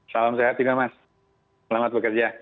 salam sehat juga mas selamat bekerja